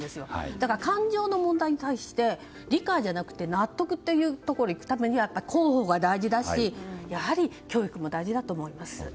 だから、感情の問題に対して理解じゃなくて納得というところに行くためには広報が大事だし教育も大事だと思います。